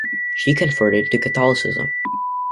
She converted to Catholicism.